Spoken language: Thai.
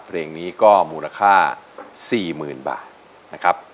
เพลงนี้ก็มูลค่าสี่หมื่นบาทนะครับ